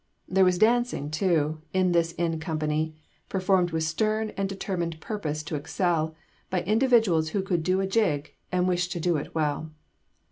There was dancing, too, in this inn company performed with stern and determined purpose to excel, by individuals who could do a jig, and wished to do it well.